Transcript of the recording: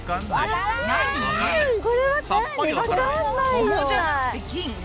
桃じゃなくて金？